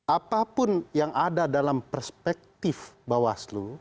apapun yang ada dalam perspektif bawaslu